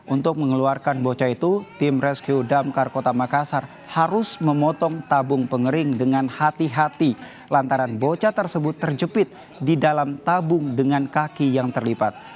untuk mengeluarkan bocah itu tim rescue damkar kota makassar harus memotong tabung pengering dengan hati hati lantaran bocah tersebut terjepit di dalam tabung dengan kaki yang terlipat